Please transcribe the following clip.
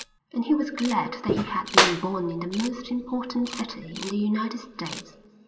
And he was glad that he had been born in the most important city in the United States.